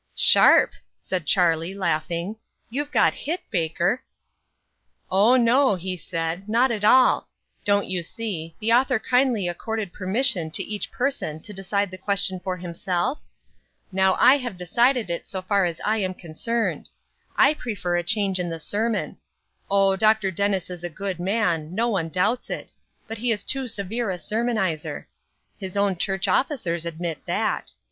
"Sharp!" said Charlie, laughing; "you've got hit, Baker." "Oh, no," he said, "not at all. Don't you see, the author kindly accorded permission for each person to decide the question for himself? Now I have it decided so far as I am concerned. I prefer a change in the sermon. Oh, Dr. Dennis is a good man; no one doubts it; but he is too severe a sermonizer. His own church officers admit that.